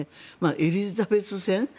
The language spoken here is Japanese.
エリザベス線。